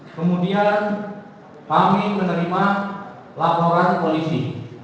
kemudian kami menerima laporan polisi